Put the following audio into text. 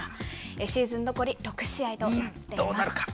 シーズン残り６試合となっています。